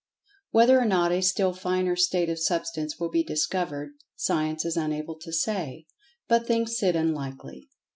Whether or not a still finer state of Substance will be discovered Science is unable to say, but thinks it unlikely.